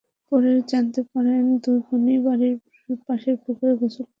পরে জানতে পারেন, দুই বোনই বাড়ির পাশের পুকুরে গোসল করতে গেছেন।